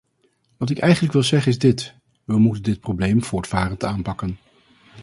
Wat ik eigenlijk wil zeggen is dit: we moeten dit probleem voortvarend aanpakken.